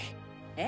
え？